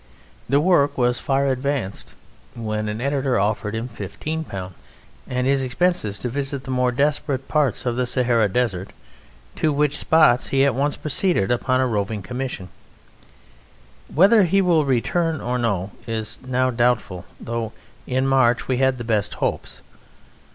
The work was far advanced when an editor offered him £15 and his expenses to visit the more desperate parts of the Sahara Desert, to which spots he at once proceeded upon a roving commission. Whether he will return or no is now doubtful, though in March we had the best hopes.